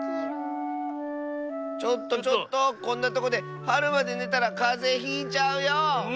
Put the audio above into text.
ちょっとちょっとこんなとこではるまでねたらかぜひいちゃうよ。